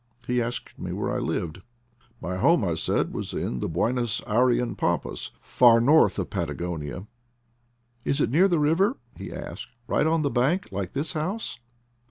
He asked me where I lived. My home, I said, was in the Buenos Ayrean pampas, far north of Pata gonia. "Is it near the river,* 9 he asked, " right on the bank, like this house